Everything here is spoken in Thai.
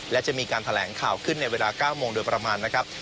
และจะมีการแถลงข่าวขึ้นในเวลา๙โมงโดยประมาณนะครับ